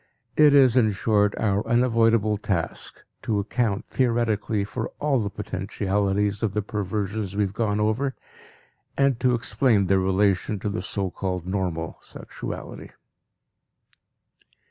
It is, in short, our unavoidable task to account theoretically for all the potentialities of the perversions we have gone over and to explain their relation to the so called normal sexuality.